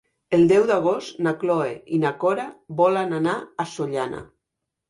El deu d'agost na Cloè i na Cora volen anar a Sollana.